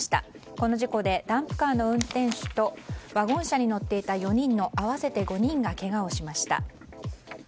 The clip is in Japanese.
この事故でダンプカーの運転手とワゴン車に乗っていた４人の合わせて５人がけがをしました。